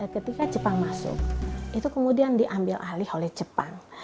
ketika jepang masuk itu kemudian diambil alih oleh jepang